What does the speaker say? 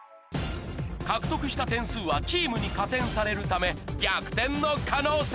獲得した点数はチームに加点されるため逆転の可能性も！